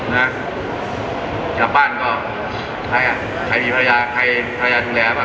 นะกับบ้านก็ใครอะใครมีภาครรยาใครธุรก์ดูแลกับอ่า